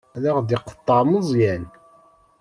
Ad aɣ-d-iqeṭṭeɛ Meẓyan.